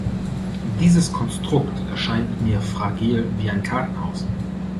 Dieses Konstrukt erscheint mir fragil wie ein Kartenhaus.